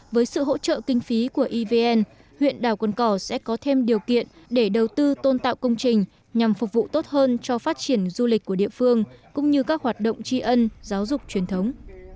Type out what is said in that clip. với sự hỗ trợ kinh phí của evn huyện đảo cồn cỏ sẽ có thêm điều kiện để đầu tư tôn tạo công trình nhằm phục vụ tốt hơn cho phát triển du lịch của địa phương cũng như các hoạt động tri ân giáo dục truyền thống